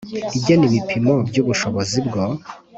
Igena ibipimo by ubushobozi bwo